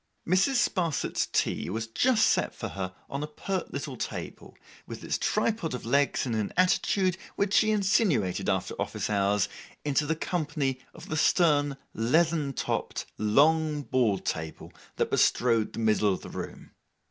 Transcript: Mrs. Sparsit's tea was just set for her on a pert little table, with its tripod of legs in an attitude, which she insinuated after office hours, into the company of the stern, leathern topped, long board table that bestrode the middle of the room.